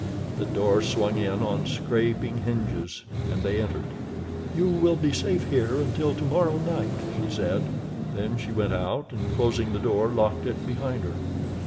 The door swung in on scraping hinges, and they entered. "You will be safe here until tomorrow night," she said. Then she went out, and, closing the door, locked it behind her.